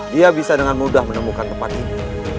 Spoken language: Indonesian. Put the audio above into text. dia bisa dengan mudah menemukan tempat ini